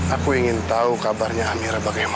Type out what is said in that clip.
aku ingin tahu kabarnya amira bagaimana